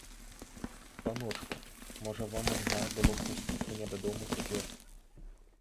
Паночку, можа вам льга было б пусціць мяне дадому цяпер.